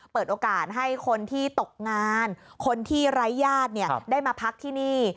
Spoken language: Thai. เปิดโอกาสให้คนที่ตกงานคนที่ไร้ญาติได้มาพักที่นี่